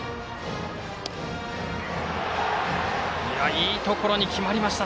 いいところに決まりました！